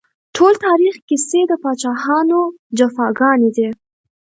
ټول تاريخ کيسې د پاچاهانو جفاګانې دي